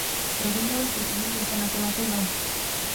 Provinila se tím, že se napila piva.